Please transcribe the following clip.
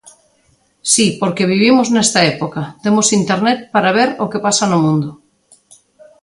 Si, porque vivimos nesta época, temos Internet para ver o que pasa no mundo.